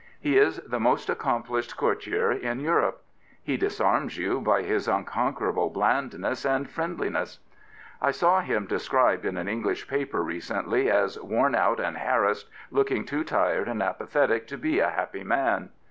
He is the most accomplished courtier in Europe. He disarms you by his uncon 170 Prince Biilow querable blandness and friendliness. I saw him described in an English paper recently as worn out and harassed, looking too tired and apathetic to be a happy man.'